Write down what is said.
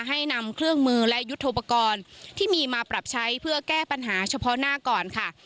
ให้นำเครื่องมือและยุทธโปรกรณ์ที่มีมาปรับใช้เพื่อแก้ปัญหาเฉพาะหน้าก่อนค่ะ